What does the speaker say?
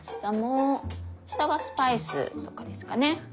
下はスパイスとかですかね。